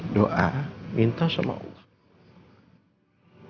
doa minta sama allah